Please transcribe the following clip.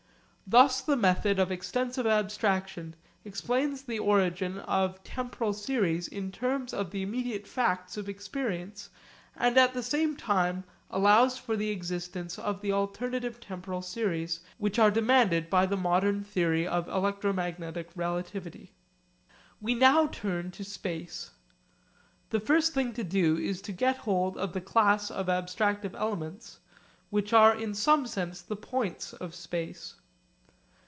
Thus the method of extensive abstraction explains the origin of temporal series in terms of the immediate facts of experience and at the same time allows for the existence of the alternative temporal series which are demanded by the modern theory of electromagnetic relativity. We now turn to space. The first thing to do is to get hold of the class of abstractive elements which are in some sense the points of space.